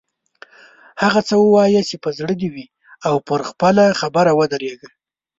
هغه څه ووایه چې په زړه دې وي او پر خپلو خبرو ودریږه.